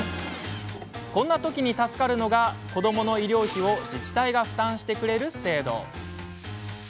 こんなときに助かるのが子どもの医療費を自治体が負担してくれる制度。